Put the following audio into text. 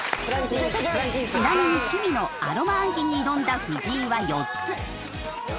ちなみに趣味のアロマ暗記に挑んだ藤井は４つ。